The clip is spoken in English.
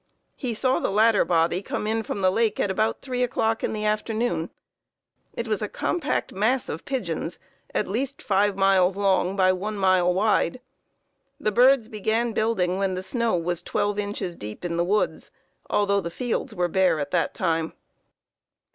He saw the latter body come in from the lake at about 3 o'clock in the afternoon. It was a compact mass of pigeons, at least 5 miles long by 1 mile wide. The birds began building when the snow was 12 inches deep in the woods, although the fields were bare at the time.